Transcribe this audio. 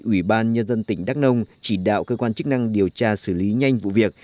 ủy ban nhân dân tỉnh đắk nông chỉ đạo cơ quan chức năng điều tra xử lý nhanh vụ việc